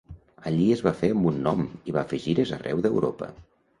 Allí es va fer amb un nom i va fer gires arreu d'Europa.